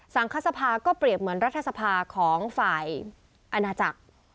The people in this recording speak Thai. คศภาก็เปรียบเหมือนรัฐสภาของฝ่ายอาณาจักร